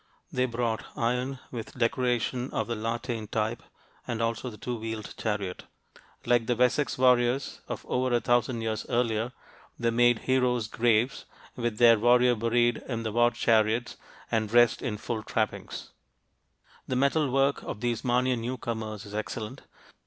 They brought iron with decoration of the La Tène type and also the two wheeled chariot. Like the Wessex warriors of over a thousand years earlier, they made "heroes'" graves, with their warriors buried in the war chariots and dressed in full trappings. [Illustration: CELTIC BUCKLE] The metal work of these Marnian newcomers is excellent.